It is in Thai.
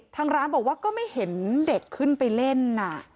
ทางร้านบอกว่าก็ไม่เห็นเด็กขึ้นไปเล่น